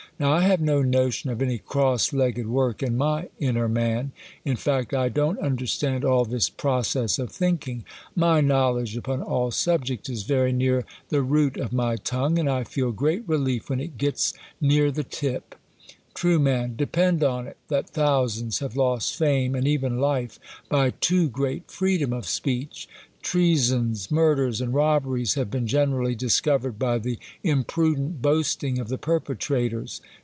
Now I have no notion of any cross legged work in my inner man. In fact, I don't understand all this process of thiniling. My knowledge upon all subjects is very near the root of my tongue, and I feel great j*elief, when it gets near the tip. Trii, Depend on it that thousands have lost fame and even life by too great freedom of speech*. Trea sons, murders, and robberies, have been generally dis covered by the imprudent boasting of the perpetrators.